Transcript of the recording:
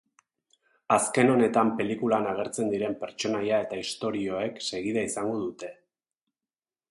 Azken honetan pelikulan agertzen diren pertsonaia eta istorioek segida izango dute.